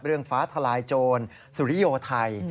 เรื่องฟ้าทลายโจรสุริโยคไทย